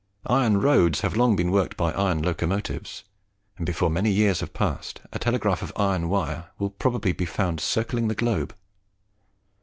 Iron roads have long been worked by iron locomotives; and before many years have passed a telegraph of iron wire will probably be found circling the globe.